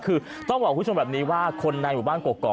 คือต้องบอกคุณผู้ชมแบบนี้ว่าคนในหมู่บ้านกรอก